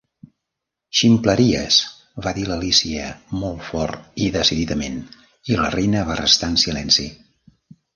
"Ximpleries" va dir l'Alícia, molt fort i decididament, i la Reina va restar en silenci.